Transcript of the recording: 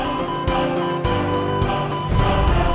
semoga aman juga ya ren